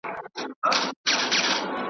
ړانده شاوخوا پر ګرځول لاسونه .